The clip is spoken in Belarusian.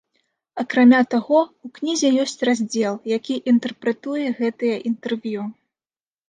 Акрамя таго, у кнізе ёсць раздзел, які інтэрпрэтуе гэтыя інтэрв'ю.